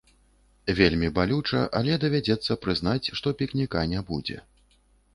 Вельмі балюча, але давядзецца прызнаць, што пікніка не будзе.